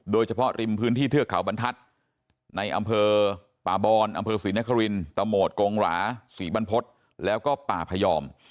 โดยเฉพาะริมพื้นที่เทือกเขาบรรทัศน์ในอำเภอป่าบอนอำเภอศรีนครินตะโหมดกงหราศรีบรรพฤษแล้วก็ป่าพยอม